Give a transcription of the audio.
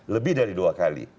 lebih dari dua kali